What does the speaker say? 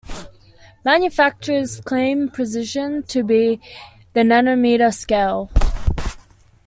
Manufacturers claim precision to the nanometer scale.